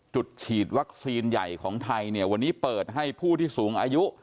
จุดฉีดวัคซีนใหญ่ของไทยเปิดให้ผู้ที่สูงอายุ